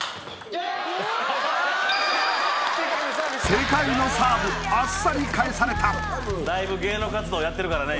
世界のサーブあっさり返されたね